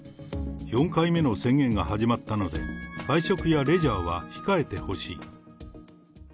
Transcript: ４回目の宣言が始まったので、会食やレジャーは控えてほしい。